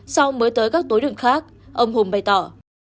sau mới tới các tối đường khác ông hùng bày tỏ